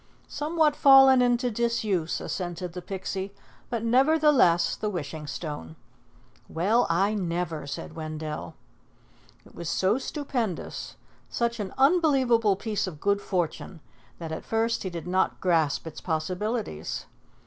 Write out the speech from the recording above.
"Somewhat fallen into disuse," assented the Pixie, "but never the less the Wishing Stone." "Well, I never!" said Wendell. It was so stupendous, such an unbelievable piece of good fortune, that at first he did not grasp its possibilities.